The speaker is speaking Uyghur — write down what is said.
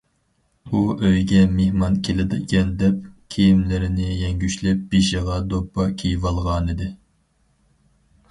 ئۇ ئۆيگە مېھمان كېلىدىكەن دەپ، كىيىملىرىنى يەڭگۈشلەپ، بېشىغا دوپپا كىيىۋالغانىدى.